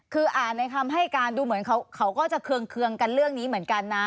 คืออ่านในคำให้การดูเหมือนเขาก็จะเคืองกันเรื่องนี้เหมือนกันนะ